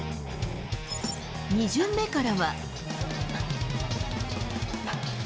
２巡目からは。